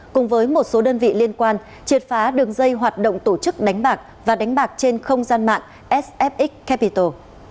cùng với một số đơn vị liên quan triệt phá đường dây hoạt động tổ chức đánh bạc và đánh bạc trên không gian mạng sfx capital